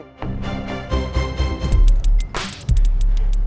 putri usus goreng